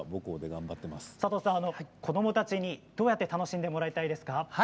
佐藤さん、子どもたちにどうやって楽しんでもらいたいですか。